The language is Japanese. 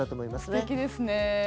すてきですね。